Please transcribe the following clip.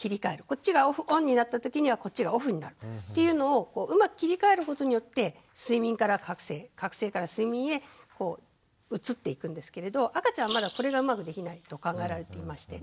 こっちがオンになった時にはこっちがオフになるというのをうまく切り替えることによって睡眠から覚醒覚醒から睡眠へ移っていくんですけれど赤ちゃんはまだこれがうまくできないと考えられていまして。